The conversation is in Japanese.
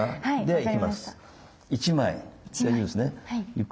はい。